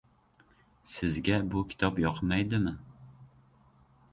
— Sizga bu kitob yoqmaydimi?